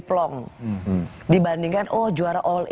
menang itu bener enggak sih rasanya lebih